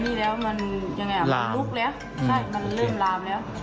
ใช่มันเริ่มลามแล้ว